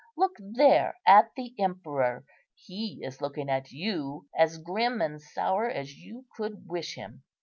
Look there at the emperor; he is looking at you, as grim and sour as you could wish him."